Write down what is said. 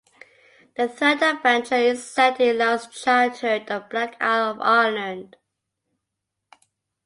The third adventure is set in Lara's childhood on Black Isle of Ireland.